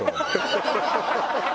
ハハハハ！